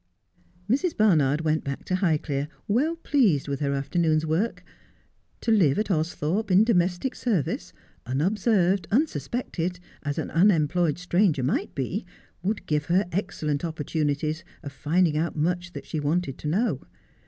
Mrs. Barnard went back to Highclere, well pleased with her afternoon's work. To live at Austhorpe, in domestic service, unobserved, unsuspected, as an unemployed stranger might be, would give her excellent opportunities of finding out much that she wanted to know.